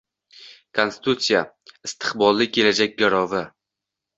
Konstitutsiya - istiqbolli kelajak garovi